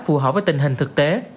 phù hợp với tình hình thực tế